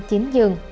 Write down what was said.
hiện có ba dường